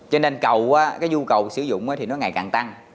cho nên cầu cái nhu cầu sử dụng thì nó ngày càng tăng